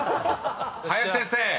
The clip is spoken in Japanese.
［林先生